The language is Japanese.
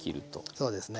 そうですね。